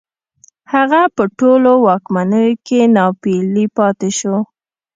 هغه په ټولو واکمنیو کې ناپېیلی پاتې شو